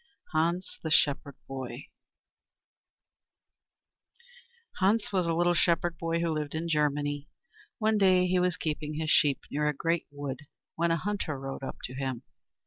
Hans the Shepherd Boy ELLA LYMAN CABOT Hans was a little shepherd boy who lived in Germany. One day he was keeping his sheep near a great wood when a hunter rode up to him.